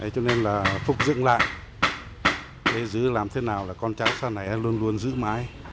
cho nên là phục dựng lại để giữ làm thế nào là con cháu sau này luôn luôn giữ mãi